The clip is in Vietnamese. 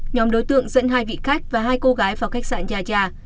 nhóm đối tượng dẫn hai vị khách và hai cô gái vào khách sạn gia gia